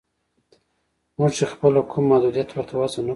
موږ چې خپله کوم محدودیت ورته وضع نه کړو